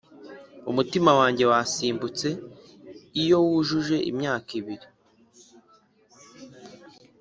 umutima wanjye wasimbutse iyo wujuje imyaka ibiri.